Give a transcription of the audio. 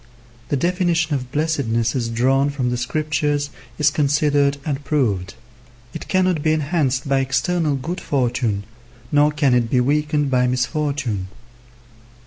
The definition of blessedness as drawn from the Scriptures is considered and proved. It cannot be enhanced by external good fortune, nor can it be weakened by misfortune.